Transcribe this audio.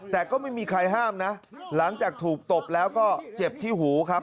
แต่ก็ไม่มีใครห้ามนะหลังจากถูกตบแล้วก็เจ็บที่หูครับ